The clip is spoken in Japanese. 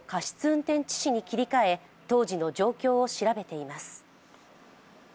運転致死に切り替え、当時の状況を調べています。